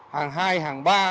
hàng hai hàng ba